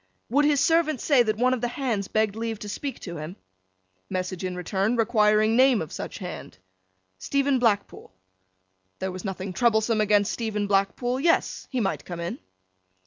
Would his servant say that one of the Hands begged leave to speak to him? Message in return, requiring name of such Hand. Stephen Blackpool. There was nothing troublesome against Stephen Blackpool; yes, he might come in.